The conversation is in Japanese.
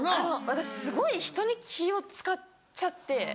私すごい人に気を使っちゃって。